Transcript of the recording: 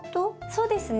そうですね。